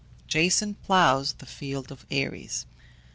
JASON PLOUGHS THE FIELD OF ARES.